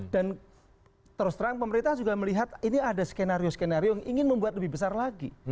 dan terus terang pemerintah juga melihat ini ada skenario skenario yang ingin membuat lebih besar lagi